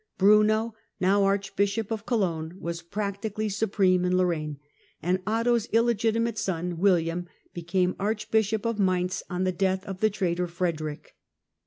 Bruno, now Archbishop of Cologne, was practically supreme in Lorraine, and Otto's illegitimate son William became Archbishop of Mainz on the death of the traitor Frederick.